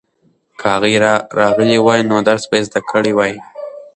که هغه راغلی وای نو درس به یې زده کړی وای.